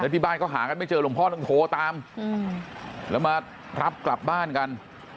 ตามแล้วมาหลับกลับบ้านกัน